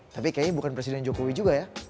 tapi kayaknya bukan presiden jokowi juga ya